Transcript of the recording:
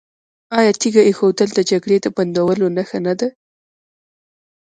آیا تیږه ایښودل د جګړې د بندولو نښه نه ده؟